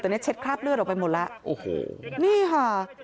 แต่เนี่ยเช็ดคราบเลือดออกไปหมดแล้วโอ้โหนี่ค่ะ